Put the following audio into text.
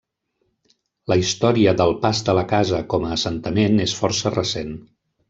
La història del Pas de la Casa com a assentament és força recent.